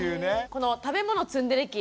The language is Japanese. この「食べ物ツンデレ期」